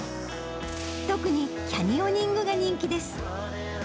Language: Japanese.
特にキャニオニングが人気です。